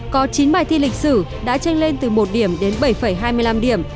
có chín bài thi lịch sử đã tranh lên từ một điểm đến bảy hai mươi năm điểm